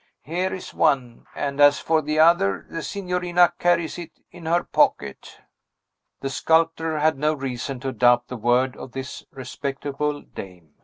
Here is one; and as for the other, the signorina carlies it in her pocket." The sculptor had no reason to doubt the word of this respectable dame.